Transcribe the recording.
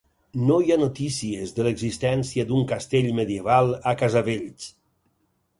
No hi ha notícies de l'existència d'un castell medieval a Casavells.